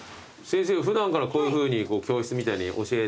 先生普段からこういうふうに教室みたいに教えて？